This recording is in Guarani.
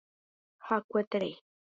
Hakueterei.